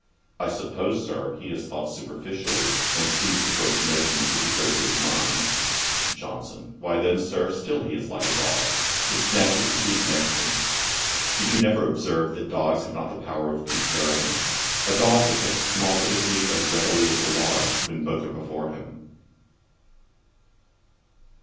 'I suppose, Sir, he has thought superficially, and seized the first notions which occurred to his mind.' JOHNSON. 'Why then, Sir, still he is like a dog, that snatches the piece next him. Did you never observe that dogs have not the power of comparing? A dog will take a small bit of meat as readily as a large, when both are before him.'